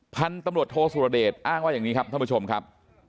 พันธุ์ตำรวจโทสุรเดชอ้างว่าอย่างนี้ครับท่านผู้ชมครับ